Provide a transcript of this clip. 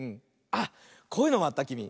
あっこういうのもあったきみ。